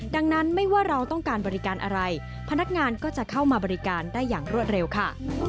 ดังนั้นไม่ว่าเราต้องการบริการอะไรพนักงานก็จะเข้ามาบริการได้อย่างรวดเร็วค่ะ